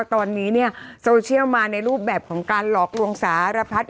ตอนนี้เนี่ยโซเชียลมาในรูปแบบของการหลอกลวงสารพัด